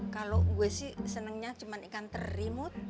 kalau gue sih senangnya cuma ikan terimut